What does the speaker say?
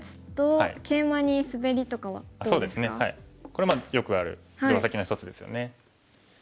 これよくある定石の一つですよね。